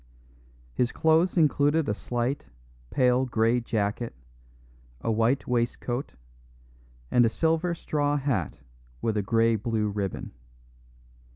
His clothes included a slight, pale grey jacket, a white waistcoat, and a silver straw hat with a grey blue ribbon.